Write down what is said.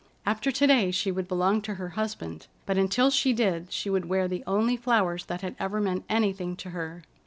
After to day she would belong to her husband, but until she did she would wear the only flowers that had ever meant anything to her.